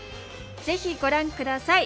ぜひご覧下さい！